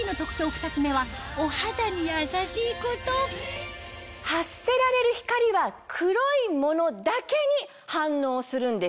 ２つ目は発せられる光は黒いものだけに反応するんです。